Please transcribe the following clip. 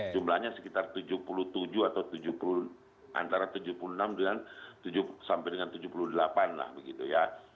jumlahnya sekitar tujuh puluh tujuh atau tujuh puluh antara tujuh puluh enam sampai dengan tujuh puluh delapan lah begitu ya